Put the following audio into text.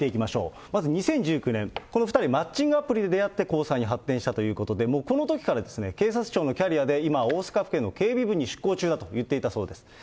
まず２０１９年、この２人、マッチングアプリで出会って交際に発展したということで、このときから警察庁のキャリアで、今、大阪府警の警備部に出向中だと言っていたそうです。